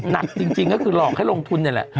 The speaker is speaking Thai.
หนักจริงก็คือหลอกให้ลงทุนนี่แหละ